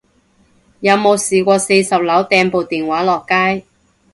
有冇試過四十樓掟部電話落街